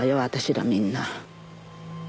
私らみんな。